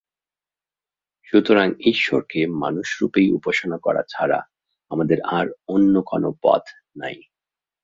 সুতরাং ঈশ্বরকে মানুষরূপেই উপাসনা করা ছাড়া আমাদের আর অন্য কোন পথ নাই।